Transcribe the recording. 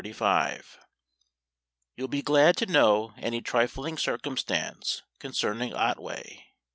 ] "You'll be glad to know any trifling circumstance concerning Otway.